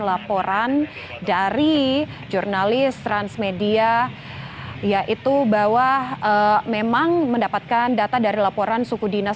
laporan dari jurnalis transmedia yaitu bahwa memang mendapatkan data dari laporan suku dinas